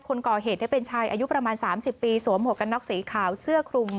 คนก่อเหตุเป็นชายอายุประมาณ๓๐ปีสวมหวกกันน็อกสีขาวเสื้อคลุม